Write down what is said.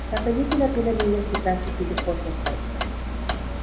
La película tiene miles de trajes y lujosos sets.